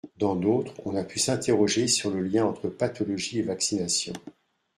Dans d’autres, on a pu s’interroger sur le lien entre pathologies et vaccinations.